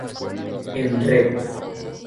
En Rep.